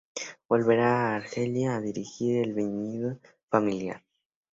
Volverá a Argelia a dirigir el viñedo familiar.